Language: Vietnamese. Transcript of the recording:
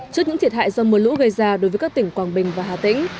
trước những thiệt hại do mưa lũ gây ra đối với các tỉnh quảng bình và hà tĩnh